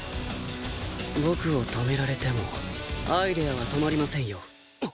僕を止められてもアイデアは止まりませんよ。